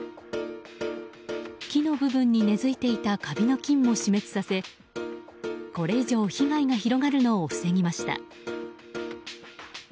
木の部分に根付いていたカビの菌も死滅させこれ以上、被害が広がるのを防ぎました。